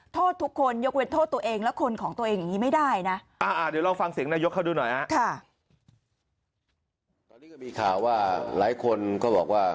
ตอนนี้ก็มีข่าวว่าหลายคนก็บอกว่า